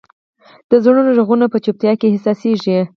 د زړونو ږغونه په چوپتیا کې احساسېږي.